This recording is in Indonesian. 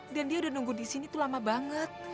dan dia udah nunggu disini tuh lama banget